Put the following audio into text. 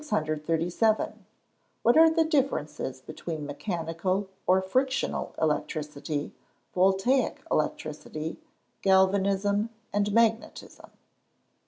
_What are the differences between mechanical, or frictional electricity, Voltaic electricity, Galvanism, and magnetism?